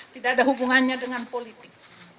tidak ada hubungannya dengan politik